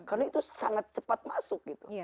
karena itu sangat cepat masuk